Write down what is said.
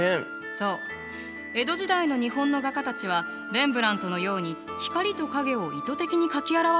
そう江戸時代の日本の画家たちはレンブラントのように光と影を意図的に描き表そうとする意識があまりなかったのね。